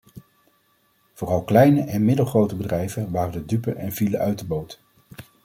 Vooral kleine en middelgrote bedrijven waren de dupe en vielen uit de boot.